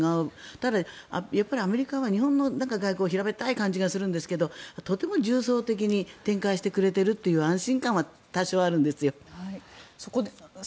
ただ、アメリカは日本の外交は平べったい感じがするんですけどとても重層的に展開してくれているという安心感は多少あるんです。